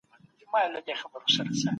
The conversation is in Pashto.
که اقتصاد ښه وي سياست هم پياوړی وي.